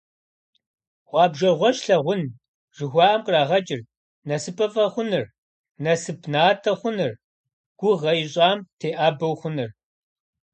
«Гъуэбжэгъуэщ лъагъун» жыхуаӏэм кърагъэкӏырт насыпыфӀэ хъуныр, насып натӀэ хъуныр, гугъэ ищӀам теӀэбэу хъуныр.